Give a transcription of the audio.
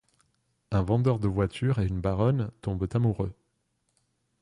Un vendeur de voitures et une baronne tombent amoureux.